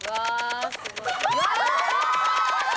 うわ！